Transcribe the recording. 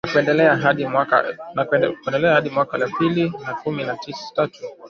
na kuendelea hadi mwaka elfu mbili na kumi na tatu